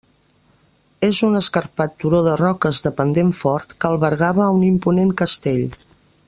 És un escarpat turó de roques de pendent fort que albergava un imponent castell.